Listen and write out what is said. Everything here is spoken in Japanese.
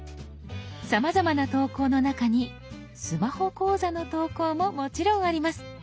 さまざまな投稿の中にスマホ講座の投稿ももちろんあります。